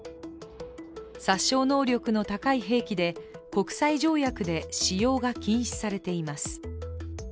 殺傷能力の高い兵器で、国際条約で使用が禁止されています。